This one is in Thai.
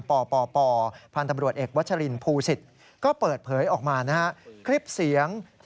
ปปปพันธมรวจเอกวชลินภูสิ